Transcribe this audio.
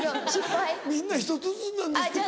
みんな１つずつなんですけど。